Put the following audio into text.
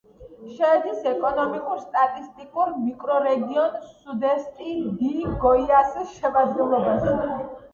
შედის ეკონომიკურ-სტატისტიკურ მიკრორეგიონ სუდესტი-დი-გოიასის შემადგენლობაში.